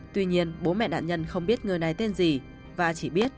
tuy nhiên bố mẹ nạn nhân không biết người này tên gì và chỉ biết